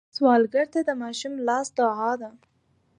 سوالګر ته د ماشوم لاس دعا ده